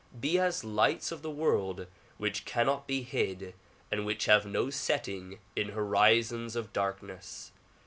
Be as lights of the world which cannot be hid and which have no setting in horizons of darkness.